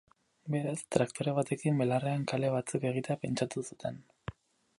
Beraz, traktore batekin belarrean kale batzuk egitea pentsatu zuten.